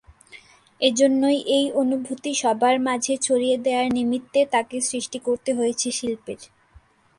এজন্যই এই অনুভূতি সবার মাঝে ছড়িয়ে দেয়ার নিমিত্তে তাকে সৃষ্টি করতে হয়েছে শিল্পের।